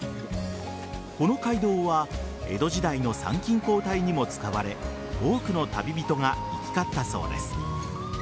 この街道は江戸時代の参勤交代にも使われ多くの旅人が行き交ったそうです。